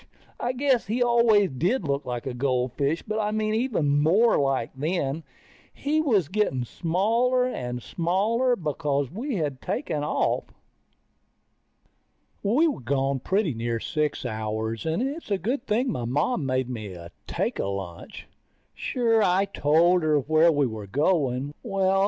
I guess he always did look like a goldfish, but I mean even more like, then. And he was getting smaller and smaller, because we had taken off. We were gone pretty near six hours, and it's a good thing my Mom made me take a lunch. Sure, I told her where we were going. Well